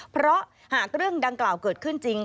เพราะหากเรื่องดังกล่าวเกิดขึ้นจริง